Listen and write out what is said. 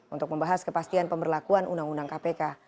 untuk membahas kepastian pemberlakuan undang undang kpk